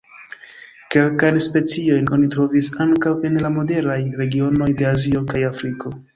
Kelkajn speciojn oni trovis ankaŭ en la moderaj regionoj de Azio kaj Afriko.